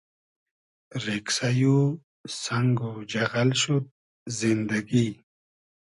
رېگسݷ و سئنگ و جئغئل شود زیندئگی